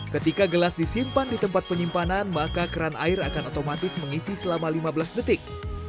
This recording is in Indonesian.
ketika gelas disimpan di tempat penyimpanan maka keran air akan otomatis mengisi selama lima belas detik